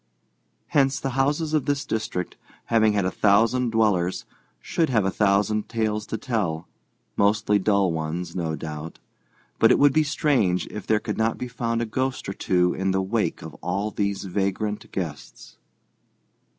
Hence the houses of this district, having had a thousand dwellers, should have a thousand tales to tell, mostly dull ones, no doubt; but it would be strange if there could not be found a ghost or two in the wake of all these vagrant guests.